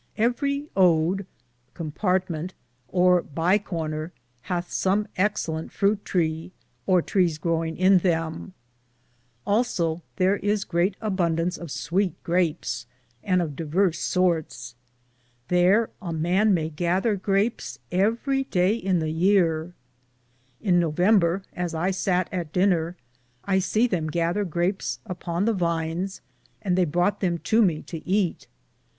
Everie ode^ or by corner hath som exelente frute tre or tres growing in them ; allso thar is greate abundance of sweete grapes, and of diveres sortes ; thar a man may gather grapes everie Daye in the yeare. In November, as I satt at diner, I se them gather grapes upon the vines, and theye broughte them to me to eate.